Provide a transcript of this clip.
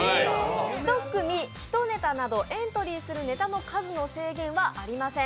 １組１ネタなどエントリーのネタの数の制限はありません。